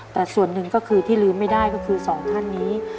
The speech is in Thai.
แต่ส่วนหนึ่งก็คือที่ลืมไม่ได้ก็คือสองท่านนี้